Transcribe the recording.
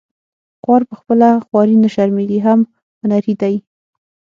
خوار په خپله خواري نه شرمیږي هم هنري دی